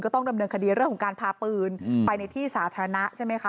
ต้องดำเนินคดีเรื่องของการพาปืนไปในที่สาธารณะใช่ไหมคะ